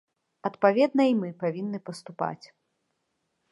Адпаведна і мы павінны паступаць.